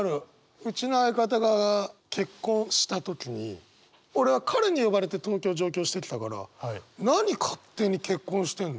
うちの相方が結婚した時に俺は彼に呼ばれて東京上京してきたから何勝手に結婚してんの？